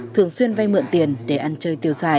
thường xuyên vay mượn tiền để ăn chơi tiêu xài